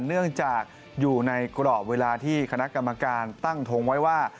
เนื่องจากอยู่ในกรอบเวลาที่คณะกรรมการตั้งทงไว้ว่า